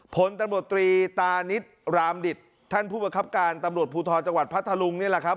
ผลตำรวจตรีตานิดรามดิตท่านผู้ประคับการตำรวจภูทรจังหวัดพัทธลุงนี่แหละครับ